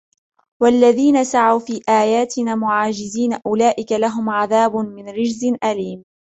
والذين سعوا في آياتنا معاجزين أولئك لهم عذاب من رجز أليم